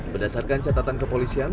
berdasarkan catatan kepolisian